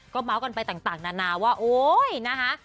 เมาส์กันไปต่างนานาว่าโอ๊ยนะคะ